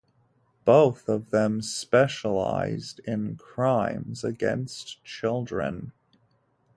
Both of them specialized in crimes against children.